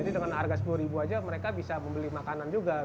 jadi dengan harga sepuluh ribu saja mereka bisa membeli makanan juga